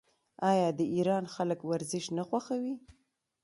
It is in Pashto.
آیا د ایران خلک ورزش نه خوښوي؟